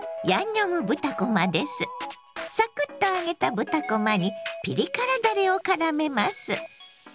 サクッと揚げた豚こまにピリ辛だれをからめます。